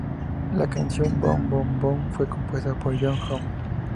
La canción, "Boom Boom Boom", fue compuesta por Jong-hoon.